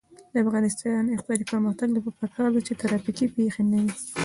د افغانستان د اقتصادي پرمختګ لپاره پکار ده چې ترافیکي پیښې نه وي.